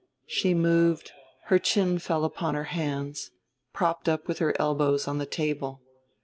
She moved, her chin fell upon her hands, propped up with her elbows on the table.